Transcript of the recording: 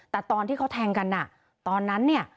แต่ตอนที่เขาแทงกันตอนนั้นเนี่ย